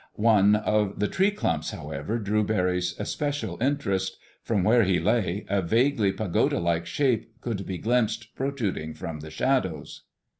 One of the tree clumps, however, drew Barry's especial interest. From where he lay, a vaguely pagoda like shape could be glimpsed protruding from the shadows.